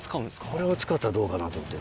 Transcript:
これを使ったらどうかなと思って。